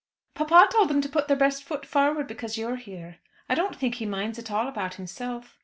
"Papa told them to put their best foot forward because you are here. I don't think he minds at all about himself.